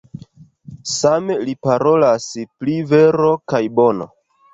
Same li parolas pri vero kaj bono.